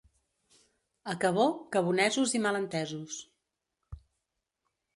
A Cabó, cabonesos i malentesos.